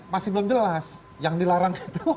masih belum jelas yang dilarang itu